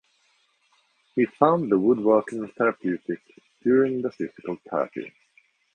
He found the woodworking therapeutic during the physical therapy.